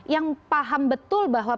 yang paham betul bahwa